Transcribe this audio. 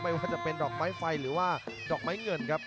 ไม่ว่าจะเป็นดอกไม้ไฟหรือว่าดอกไม้เงินครับ